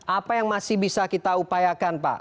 apa yang masih bisa kita upayakan pak